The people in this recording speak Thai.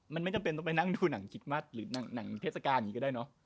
มันไม่จำเป็นต้องไปนั่งดูหนังจิกมัดหรือหนังเทศกาลอย่างนี้ก็ได้เนอะ